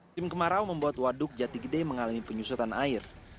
tim kemarau membuat waduk jati gede mengalami penyusutan air